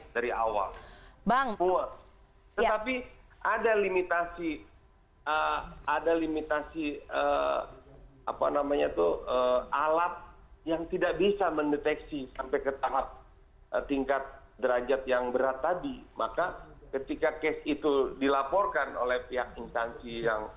dia tidak terdampak atau